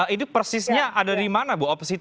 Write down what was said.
itu persisnya ada di mana ibu